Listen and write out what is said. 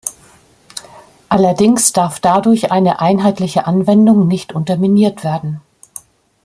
Allerdings darf dadurch eine einheitliche Anwendung nicht unterminiert werden.